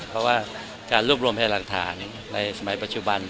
เพราะว่าการรวบรวมพยานหลักฐานในสมัยปัจจุบัน